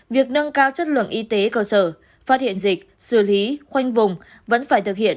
việc nâng cao chất lượng y tế cơ sở phát hiện dịch xử lý khoanh vùng vẫn phải thực hiện